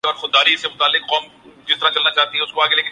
انہیں کالم نگاری کے بارے میں تحقیق کرنا ہوتی ہے۔